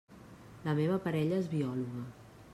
La meva parella és biòloga.